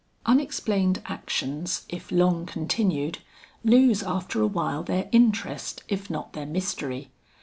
Unexplained actions if long continued, lose after awhile their interest if not their mystery.